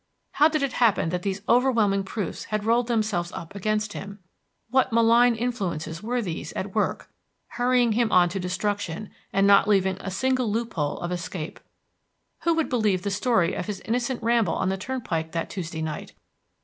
How did it happen that these overwhelming proofs had rolled themselves up against him? What malign influences were these at work, hurrying him on to destruction, and not leaving a single loophole of escape? Who would believe the story of his innocent ramble on the turnpike that Tuesday night?